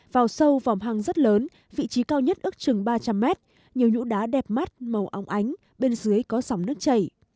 vào sâu vòng hang rất lớn vị trí cao nhất ước chừng ba trăm linh mét nhiều nhũ đá đẹp mắt màu ong ánh bên dưới có sóng nước chảy